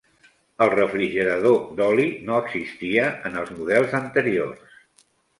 El refrigerador d'oli no existia en els models anteriors.